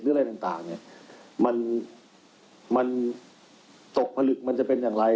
อะไรต่างเนี่ยมันตกผลึกมันจะเป็นอย่างไร